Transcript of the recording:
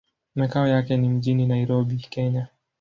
Makao yake ni mjini Nairobi, Kenya.